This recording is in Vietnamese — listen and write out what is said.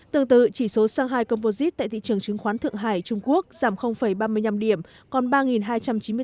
tương tự chỉ số shanghai composite tại thị trường chứng khoán thượng hải trung quốc giảm ba mươi năm điểm còn ba hai trăm chín mươi tám sáu mươi bảy điểm